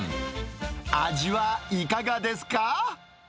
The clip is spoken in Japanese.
味はいかがですか？